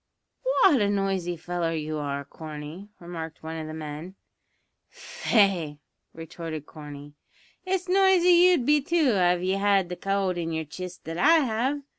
"Wot a noisy feller you are, Corney," remarked one of the men. "Faix," retorted Corney, "it's noisy you'd be too av ye had the cowld in yer chist that I have.